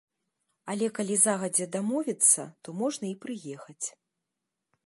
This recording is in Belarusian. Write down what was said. Але калі загадзя дамовіцца, то можна і прыехаць.